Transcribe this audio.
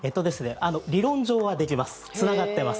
理論上はできます。